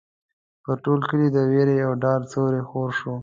پر ټول کلي د وېرې او ډار سیوری خور شو.